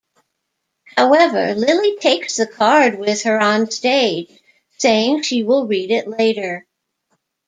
However, Lilli takes the card with her onstage, saying she will read it later.